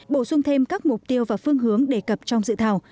bổ sung thêm các mục tiêu và phương hướng đề cập trong dự thảo